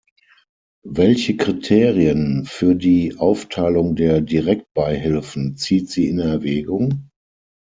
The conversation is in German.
Welche Kriterien für die Aufteilung der Direktbeihilfen zieht sie in Erwägung?